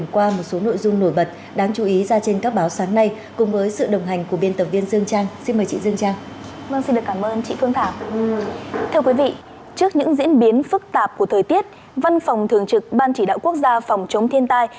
thưa quý vị trước những diễn biến phức tạp của thời tiết văn phòng thường trực ban chỉ đạo quốc gia phòng chống thiên tai